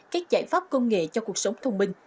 các giải pháp công nghệ cho cuộc sống thông minh